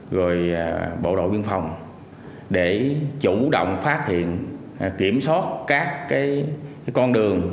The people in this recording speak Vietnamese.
rồi bộ đội biên phòng để chủ động phát hiện kiểm soát các con đường